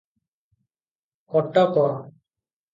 Cuttack.